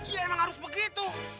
iya emang harus begitu